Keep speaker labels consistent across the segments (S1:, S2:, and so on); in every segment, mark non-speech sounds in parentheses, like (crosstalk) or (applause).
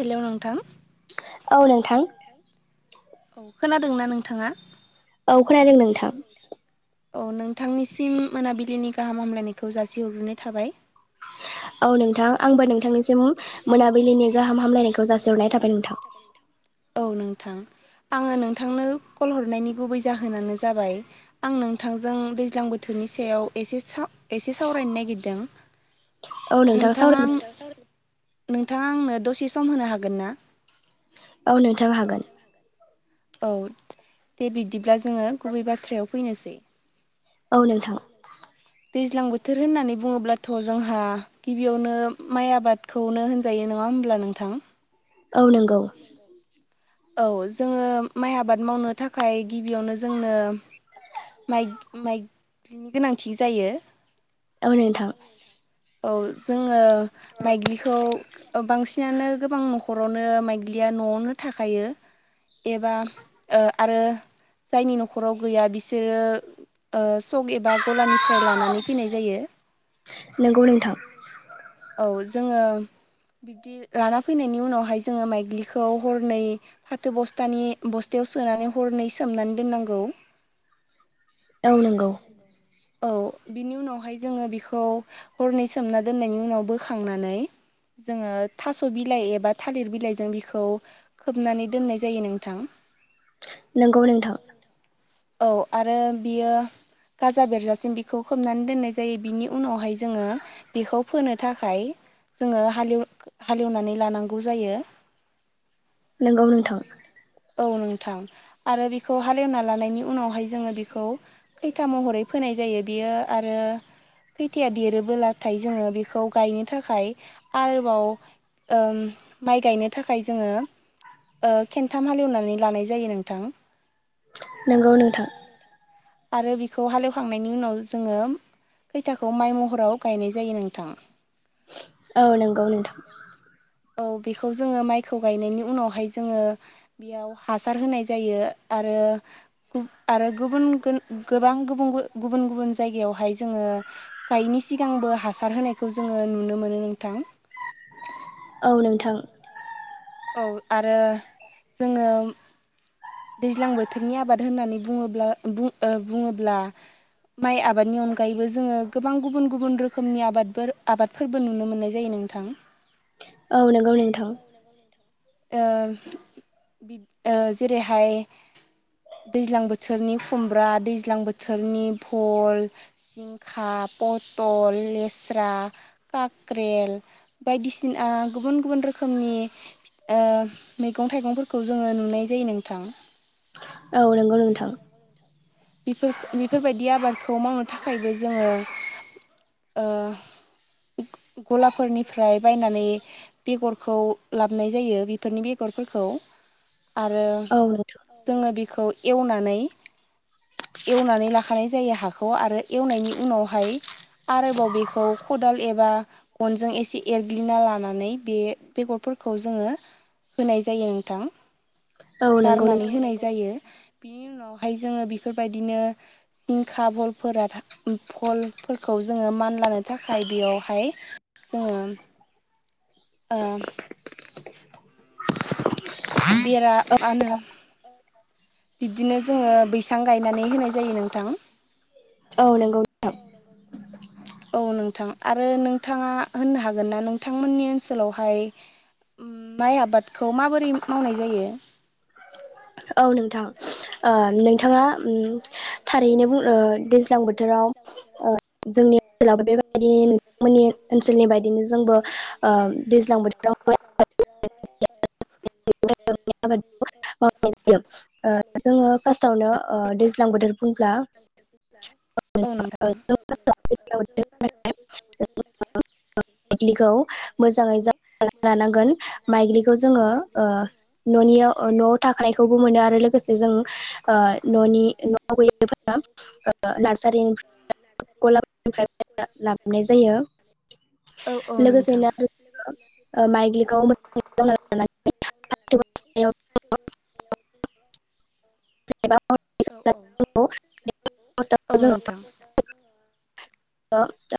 S1: हेल' नोंथां औ नोंथां औ खोनादोंना नोंथाङा औ खोनादों नोंथां औ नोंथांनिसिम मोनाबिलिनि गाहाम हामलायनायखौ जासिहरग्रोनाय थाबाय
S2: औ नोंथां आंबो नोंथांनिसिम मोनाबिलिनि गाहाम हामलायनायखौ जासिहरनाय थाबाय नोंथां
S1: औ नोंथां आङो नोंथांनो कल हरनायनि गुबै जाहोनानो जाबाय आं नोंथांजों दैज्लां बोथोरनि सायाव एसे एसे सावरायनो नागिरदों
S2: औ नोंथां
S1: नोंथाङा
S2: सावराय
S1: आं नोंथाङा आंनो दसे सम होनो हागोन ना
S2: बाव नोंथाब हागोन
S1: औ दे बिब्दिब्ला जोङो गुबै बाथ्रायाव फैनोसै
S2: औ नोंथां
S1: दैज्लां बोथोर होननानै बुङोब्लाथ' जोंहा गिबियावनो माइ आबादखौनो होनजायो नङा होमब्ला नोंथां
S2: औ नंगौ
S1: औ जोङो माइ आबाद मावनो थाखाय गिबियावनो जोंनो माइ माइग्रिनि गोनांथि जायो
S2: औ नोंथां
S1: औ जोङो माइग्लिखौ बांसिनानो गोबां न'खर खरावनो माइग्लिया न'आवनो थाखायो एबा आरो जायनि न'खराव गैया बिसोरो सक एबा गलानिफ्राय लानानै फैनाय जायो
S2: नंगौ नोंथां
S1: औ जोङो बिब्दि लाना फैनायनि उनावहाय जोङो माइग्लिखौ हरनै फाथो बस्थानि बस्थायाव सोनानै हरनै सोमनानै दोननांगौ
S2: औ नंगौ
S1: औ बिनि उनावहाय जोङो बेखौ हरनै सोमना दोननायनि उनाव बोखांनानै जोङो थास' बिलाइ एबा थालिर बिलाइजों बिखौ खोबनानै दोननाय जायो नोंथां
S2: नंगौ नोंथां
S1: औ आरो बियो गाजा बेरजासिम बेखौ खोबनानै दोननाय जायो बिनि उनावहाय जोङो बेखौ फोनो थाखाय जोङो हालेव हालेवनानै लानांगौ जायो
S2: नोंगौ नोंथां
S1: औ नोंथां आरो बेखौ हालेवना लानायनि उनावहाय जोङो बेखौ खथा महरै फोनाय जायो बियो आरो खैथायया देरोबोलाथाय जोङो बेखौ गायनो थाखाय आलबाव माइ गायनो थाखाय जोङो के साथाम हालेवनानै लानाय जायो नोंथां
S2: नंगौ नोंथां
S1: आरो बिखौ हालेवखांनायनि उनाव जोङो खैथाखौ माइ महराव गायनाय जायो नोंथां
S2: औ नंगौ नोंथां
S1: औ बेखौ जोङो माइखौ गायनायनि उनावहाय जोङो बेयाव हासार होनाय जायो आरो आरो गुबुन गोबां गुबुन गुबुन जायगायावहाय जोङो गायैनि सिगांबो हासार होनायखौ जोङो नुनो मोनो नोंथां
S2: औ नोंथां
S1: औ आरो जोङो दैज्लां बोथोरनि आबाद होननानै बुङोब्ला बुङोब्ला माइ आबादनि अनगायैबो जोङो गोबां गुबुन गुबुन रोखोमनि आबादफोर आबाद फोरबो नुनो मोननाय जायो नोंथां ।
S2: औ नंगौ नोंथां
S1: ओ जेरैहाय दैज्लां बोथोरनि खुमब्रा दैज्लां बोथोरनि भल जिंखा पथल लेस्रा काक्रेल बायदिसिना गुबुन गुबुन रोखोमनि ओ मैगं थाइगंफोरखौ जोङो नुनाय जायो नोंथां
S2: औ नंगौ नोंथां
S1: बेफोरबायदि आबादखौ मावनो थाखायबो जोङो ओ गलाफोरनिफ्राय बायनानै बेगरखौ लाबोनाय जायो बेफोरनि बेगरफोरखौ आरो
S2: औ नोंथां
S1: जोङो बेखौ एवनानै एवनानै लाखानाय जायो हाखौ आरो एवनायनि उनावहाय आरोबाव बेखौ खदाल एबा गनजों एसे एरग्लिना लानानै बे बेगरफोरखौ जोङो होनाय जायो नोंथां ।
S2: औ नंगौ
S1: गारनानै
S2: नोंथां
S1: होनाय जायो बिनि उनावहाय जोङो बेफोरबायदिनो जिंखा भलफोरा भलफोरखौ जोङो मानलानो थाखाय बेयावहाय जोङो ओ बेरा माहोनो बिबदिनो जोङो बैसां गायनानै होनाय जायो नोंथां
S2: औ नंगौ
S1: औ नोंथां आरो नोंथाङा होननो हागोन ना नोंथांमोननि ओनसोलावहाय ओम माइ आबादखौ माबोरै मावनाय जायो?
S2: औ नोंथां ओ नोंथाङा ओम थारैनो बुङो ओ दैज्लां बोथोराव ओ जोंनि ओनसोलावबो बेबायदिनो नोंथांमोननि ओनसोलनि बायदि
S1: ओनसोलनि बायदिनो जोंबो
S2: बोथोराव
S1: गोजां बोथोराव
S2: मावनाय जायो ओ जोङो
S1: औ
S2: फार्स्टावनो ओ दैज्लां बोथोर बुंब्ला
S1: औ नोंथां
S2: (unintelligible)
S1: (inaudible)
S2: माइग्लिखौ मोजाङै ज लानांगोन माइग्लिखौ जोङो ओ ननियाव ओ न'आव थाखानायखौबो मोनो आरो लोगोसे जों ओ न'नि न'आव गोयिफोरा नार्सारिनिफ्राय गलानिफ्राय लाबोनाय जायो ।
S1: औ औ नोंथां
S2: लोगोसेनो ओ माइगलिखौ औ
S1: (inaudible)
S2: जेनेबा
S1: औ
S2: जोङो
S1: औ औ
S2: फार्स्टआव
S1: नोंथां
S2: (unintelligible)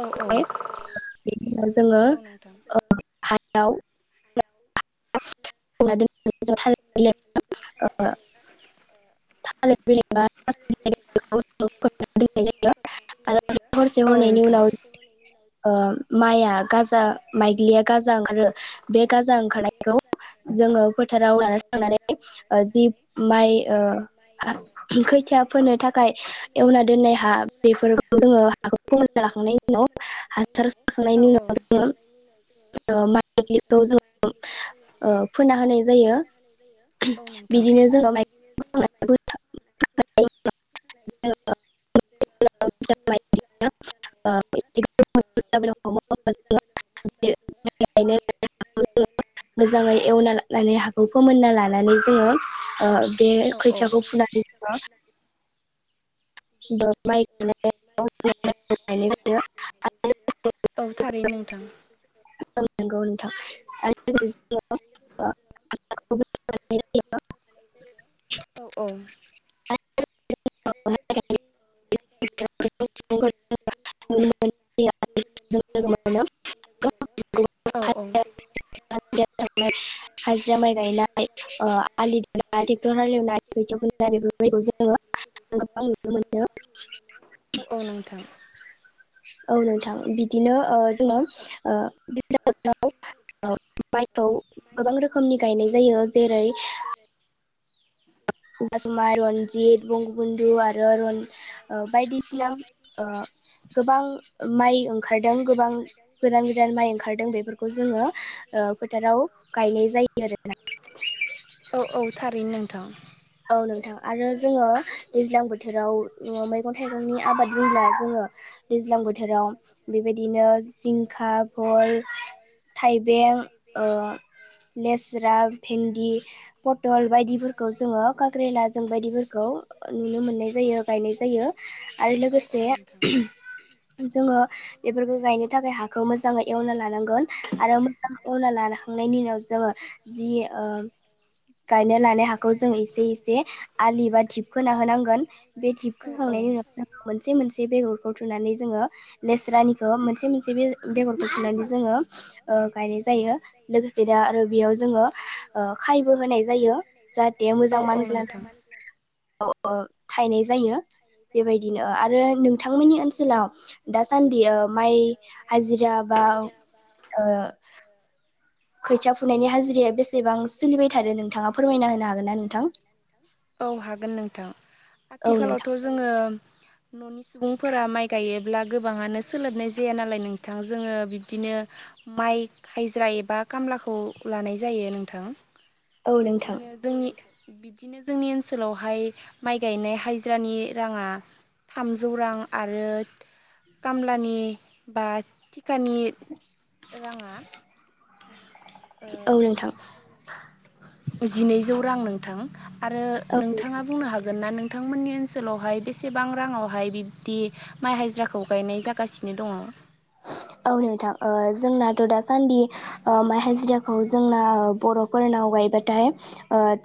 S1: औ औ
S2: जोङो
S1: औ नोंथां
S2: ओ हायाव (unintelligible) थालिर बिलाइ बानाय ज (unintelligible) आरो (inaudible) हरसे
S1: औ
S2: हरनैनि
S1: नोंथां
S2: उनाव जो ओ माइया गाजा माइग्लिया गाजा ओंखारो। बे गाजा ओंखारनाय गौ जोङो फो थाराव लाना थांनानै ओ जि माइ ओ खैथिया फोनो थाखाय एवना दोननाय हा बेफोरखौ जोङो हाखौ फोमोनना लाखांनायनि उनाव हासार
S1: औ
S2: खांनायनि
S1: औ
S2: उनाव जोङो ओ माइग्लिखौ जों
S1: बेखौ जोङो
S2: ओ फोना होनाय जायो
S1: औ नोंथां
S2: बिदिनो जोङो माइं (inaudible)
S1: (unintelligible) (unintelligible) (unintelligible)
S2: (unintelligible) गोजाङै एवना ला माने हाखौ फोमोनना लानानै जोङो ओ बे
S1: औ औ
S2: खैथियाखौ फुनानै जोङो द माइ (unintelligible)
S1: औ थारै नोंथां।
S2: औ नांगौ नोंथां (unintelligible) (unintelligible)
S1: औ औ। (unintelligible) (unintelligible)
S2: लोगोसे
S1: नुनो मोन (unintelligible) औ औ।
S2: (unintelligible) हाजिरा माइ गायनाय ओ आलि दानाय ट्रेक्टर हालेवनाय खोथिया फु दा बेफोरखौ जोङो गोबां नुनो मोनदों।
S1: औ औ नोंथां
S2: औ नोंथां बिदिनो ओ जोङो ओ (unintelligible) ओ माइखौ गोबां रोखोमनि गायनाय जायो। जेरै
S1: (inaudible)
S2: आसुमाइ रनजित बंगबुन्धु आरो रन ओ बायदिसिना ओ गोबां माइ ओंखारदों गोबां गोदान गोदान माइ ओंखारदों बेफोरखौ जोङो ओ फोथाराव गायनाय जायो आरोना।
S1: औ औ थारैनो नोंथां।
S2: औ नोंथां आरो जोङो दैज्लां बोथोराव न'वाव मैगं थाइगंनि आबाद बुंब्ला जोङो दैज्लां बो थोराव बेबायदिनो जिंखाफोर थाइबें ओ लेस्रा भेन्दि पथल बायदिफोरखौ जोङो खाग्रेला जों बायदिफोरखौ नुनो मोननाय जायो गायनाय जायो। आरो
S1: औ औ
S2: लोगोसे
S1: नोंथां
S2: जोङो एफोरखौ गायनो थाखाय हाखौ मोजाङै एवना लानांगोन आरो मोजां एवना लानखांनायनि उनाव जोङो जि ओ गायनो लानाय हाखौ जों इसे दै जे एसे आलि बाथिपखोना होनांगोन बे
S1: औ
S2: थिबखोखांनायनि
S1: औ
S2: उनाव जों मोनसे मोनसे बेगर खौ थुनानै जोङो लेस्रानिखौ मोनसे मोनसे बे बेगरखौ फुनानै जोङो ओ गायनाय जायो। लोगोसे दा आरो बेयाव जोङो ओ खायबो होनाय जायो। जाहाथे मोजां
S1: औ
S2: मा
S1: औ
S2: मानग्लाङो।
S1: नोंथां
S2: औ ओ थायनाय जायो। बेबायदिनो। ओ रो नोंथांमोननि ओनसोलाव दासान्दि ओ माइ हाजिरा बाव ओ
S1: दा
S2: खोथिया फुनायनि हाजिराया बेसेबां सोलिबाय थादों नोंथाङा फोरमायना होनो हागोन ना नोंथां?
S1: औ हागोन नोंथां।
S2: औ नोंथां
S1: आथिखालावथ' जोङो न'नि सुबुंफोरा माइ गायोब्ला गोबाङानो सोलाबनाय जाया नालाय नोंथां जोङो बिब्दिनो माइ खायज्रा एबा खामलाखौ लानाय जायो नोंथां।
S2: औ नोंथां
S1: बिब्दिनो जोंनि बिब्दिनो जोंनि ओनसोलावहाय माइ गायनाय हायज्रानि राङा थामजौ रां आरो खामलानि बा सिखानि राङा
S2: औ
S1: ओ
S2: नोंथां
S1: जिनैजौ रां नोंथां आरो
S2: औ
S1: नोंथाङा बुंनो हागोन ना नोंथांमोननि ओनसोलावहाय बेसेबां राङावहाय बिब्दि माइ हाजिराखौ गायनाय जागासिनो दङ'?
S2: औ नोंथां जोंनाथ' दासान्दि माइ हाजिराखौ जोंना बर'फोरनाव गायबाथाय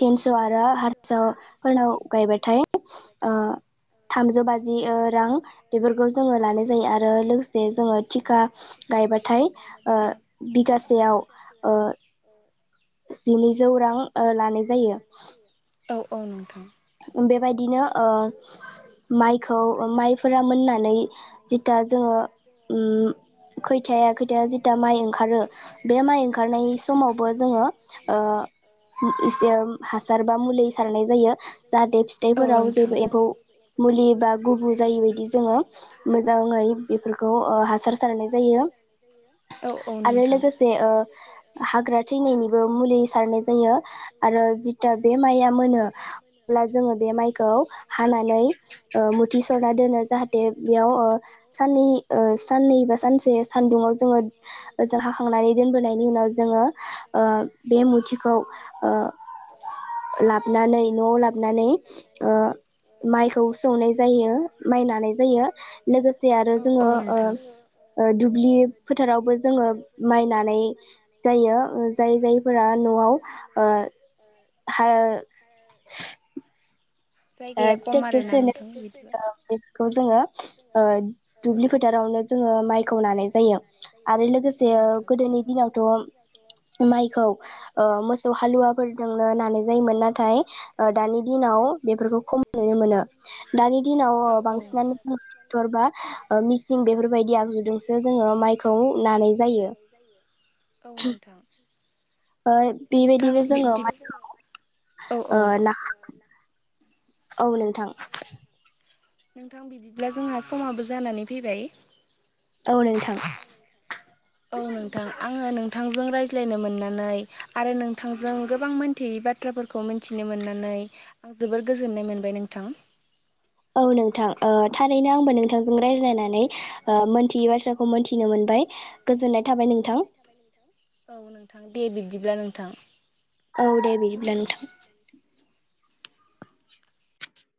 S2: थिनस' आरो हारस फोरनाव गायबथाय थामजौ बाजि जि रां बेफोरखौ जोङो लानाय जायो आरो लोगोसे जोङो थिखा गायबाथाय बिगासेयाव
S1: औ
S2: जिनैजौ रां लानाय जायो
S1: औ औ नोंथां
S2: बेबायदिनो माइखौ माइफोरा मोननानै जिथा जोङो खैथाया खैथाया जिथा माइ ओंखारो बे माइ ओंखारनाय समावबो जोङो इसे हासार बा मुलि सारनाय जायो जाहाथे
S1: औ
S2: फिथाइफोराव
S1: नोंथां
S2: जेबो एफौ मुलि बा गुबु जायै बदि जोङो मोजाङै बेफोरखौ हासार सारनाय जायो
S1: औ औ
S2: आरो
S1: नोंथां
S2: लोगोसे हाग्रा थैनायनिबो मुलि सारनाय जायो आरो जिता बे माइआ मोनो अ जोङो बे माइखौ हानानै मथि सरना दोनो जाहाथे बेयाव साननै साननै बा सानसे सानदुुंआव जोङो ओजों हाखांनानै दोनबोनायनि उनाव जोङो बे मुथिखौ लाबनानै न'आव लाबनानै माइखौ सौनाय जायो माइ लानाय जायो लोगोसे आरो
S1: औ औ
S2: जोङो
S1: नोंथां।
S2: दुब्लि फोथारावबो जोङो माइनानै जायो जाय जायफोरा न'आव आ ह
S1: जायगाया खम आरोना
S2: देकसनो
S1: नोंथां बिदिबा
S2: बेखौ जोङो दुब्लि फोथारावनो जोङो माइखौ नानाय जायो आरो
S1: औ
S2: लोगोसे
S1: नोंथां
S2: गोदोनि दिनावथ' माइखौ मोसौ हालुवाफोरजोंनो नानाय जायोमोन नाथाय दानि दिनाव बेफोरखौ खम नुनो मोनो दानि दिनाव
S1: औ औ
S2: बाबाय आगुो ज म खौ नानाय जायो
S1: औ नोंथां नोंथां
S2: बेबायदिनो जोङो
S1: बिब्दि औ औ
S2: माइ ना औ नोंथां
S1: नोंथां बिदिब्ला जोंहा समाबो जानानै फैबाय
S2: औ नोंथां
S1: औ नोंथां आङो नोंथांजों रायज्लायनो मोननानै आरो नोंथांजों गोबां मोनथियै बाथ्राफोरखौ मिथिनो मोननानै आं जोबोर गोजोननाय मोनबाय नोंथां
S2: औ नोंथां थारैनो आंबो नोंथांजों रायज्लायनानै मोनथियै बाथ्राखौ मोनथिनो मोनबाय गोजोननाय थाबाय नोंथां
S1: औ नोंथां दे बिदिब्ला नोंथां
S2: औ दे बिदिब्ला नोंथां